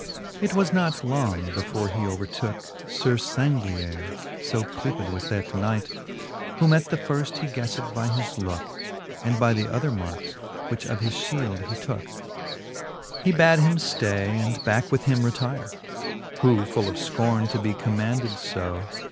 It was not long, before he overtooke Sir Sanglier'j ((o deeped was that knight) Whom at the firft he ghefled by his looke, And by the other markes, which of his fliield he tooke. XXI. He bad him (lay, and backe with him retire ; Who full of Icorne to be commaunded io.